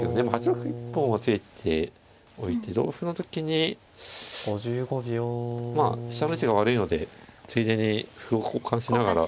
８六歩一本を突いておいて同歩の時にまあ飛車の位置が悪いのでついでに歩を交換しながら。